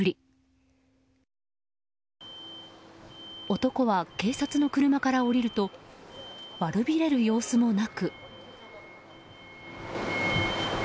男は警察の車から降りると悪びれる様子もなく。